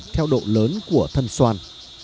theo độ lớn của thân xoan